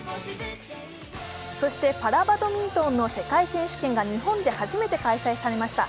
そして、パラバドミントンの世界選手権が日本で初めて開催されました。